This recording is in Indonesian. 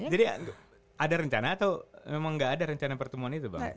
jadi ada rencana atau memang tidak ada rencana pertemuan itu bang